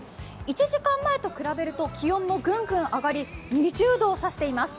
１時間前と比べると気温もぐんぐんと上がり、２０度を指しています。